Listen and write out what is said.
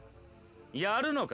やるのか？